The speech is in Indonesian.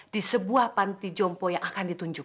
di sebuah panti jompo yang akan ditunjuk